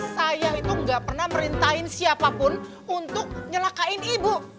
saya itu gak pernah merintahin siapapun untuk nyelakain ibu